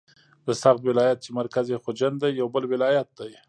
د سغد ولایت چې مرکز یې خجند دی یو بل ولایت دی.